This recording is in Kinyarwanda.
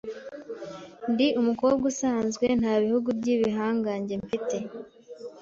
Ndi umukobwa usanzwe. Nta bihugu by'ibihangange mfite.